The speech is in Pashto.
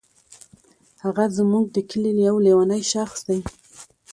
هغه زمونږ دي کلې یو لیونی شخص دی.